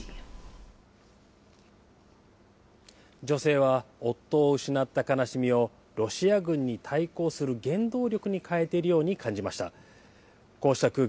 女性は、夫を失った悲しみを、ロシア軍に対抗する原動力に変えているように感じました。